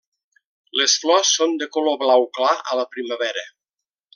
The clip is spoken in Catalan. Les flors són de color blau clar a la primavera.